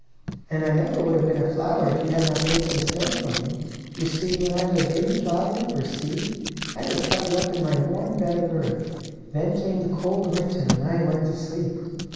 "And I never would have been a flower if you had not taken the stone from me. You see, when I was a baby flower, or seed, I was covered up in my warm bed of earth. Then came the cold winter, and I went to sleep.